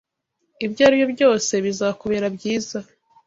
Ibyo ari byo byose, bizakubera byiza